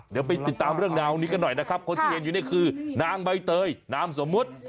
เดี๋ยวไปติดตามเรื่องราวนี้กันหน่อยนะครับคนที่เห็นอยู่นี่คือนางใบเตยนามสมมุติ